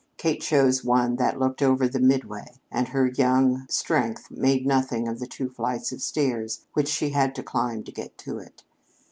Kate chose one that looked over the Midway, and her young strength made nothing of the two flights of stairs which she had to climb to get to it.